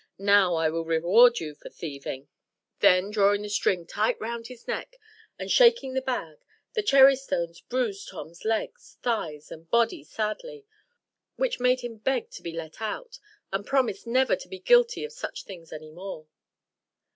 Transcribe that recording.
Now I will reward you for thieving." Then drawing the string tight round his neck, and shaking the bag, the cherry stones bruised Tom's legs, thighs, and body sadly; which made him beg to be let out, and promise never to be guilty of such things any more.